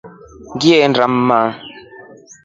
Ngaenda mma.